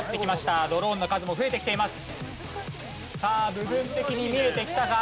部分的に見えてきたが。